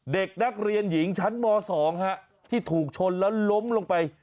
เด็กนักเรียนหญิงชั้นม๒ที่ถูกชนแล้วล้มลงไป